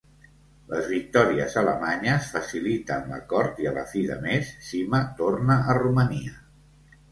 Les victòries alemanyes faciliten l'acord i a la fi de mes Sima torna a Romania.